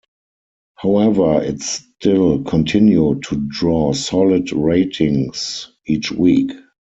However, it still continued to draw solid ratings each week.